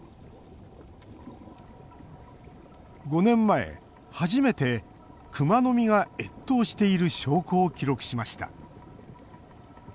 ５年前、初めてクマノミが越冬している証拠を記録しました。